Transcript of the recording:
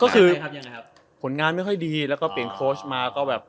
ก็คือผลงานไม่ค่อยดีแล้วก็เปลี่ยนโค้ชมาก็แบบ